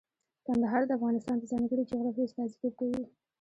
کندهار د افغانستان د ځانګړي جغرافیه استازیتوب کوي.